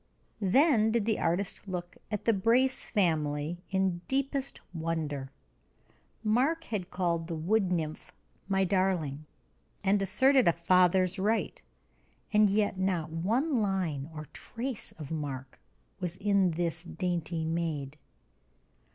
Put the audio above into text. Then did the artist look at the Brace family in deepest wonder. Mark had called the wood nymph "my darling," and asserted a father's right; and yet not one line or trace of Mark was in this dainty maid.